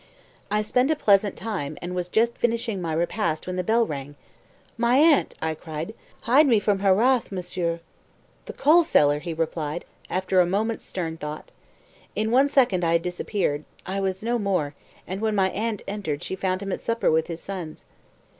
"I spent a pleasant time, and was just finishing my repast when the bell rang. 'My aunt!' I cried. 'Hide me from her wrath, Monsieur.' 'The coal cellar,' he replied, after a moment's stern thought. In one second I had disappeared I was no more and when my aunt entered she found him at supper with his sons.